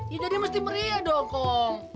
ya jadi mesti meriah dong